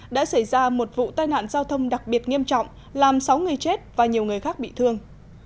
đã xảy ra một vụ tai nạn giao thông đặc biệt nghiêm trọng làm sáu người chết và nhiều người khác bị thương